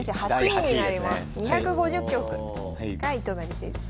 ２５０局が糸谷先生。